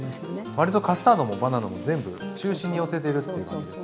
割とカスタードもバナナも全部中心に寄せてるっていう感じですね。